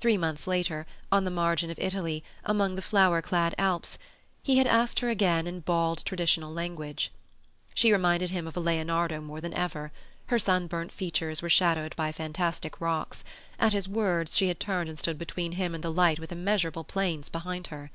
Three months later, on the margin of Italy, among the flower clad Alps, he had asked her again in bald, traditional language. She reminded him of a Leonardo more than ever; her sunburnt features were shadowed by fantastic rock; at his words she had turned and stood between him and the light with immeasurable plains behind her.